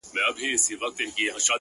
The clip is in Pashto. له سجدې پورته سي” تاته په قيام سي ربه”